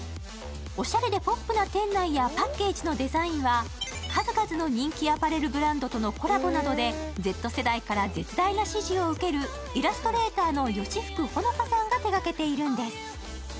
おしゃれでポップな店内やパッケージのデザインは、数々の人気アパレルブランドとのコラボでＺ世代から絶大な支持をえるイラストレーターのヨシフクホノカさんが手がけているんです。